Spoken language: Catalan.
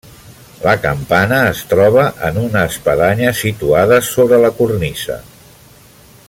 La campana es troba en una espadanya situada sobre la cornisa.